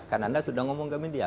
kan anda sudah ngomong ke media